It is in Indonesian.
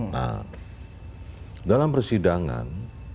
nah dalam persidangan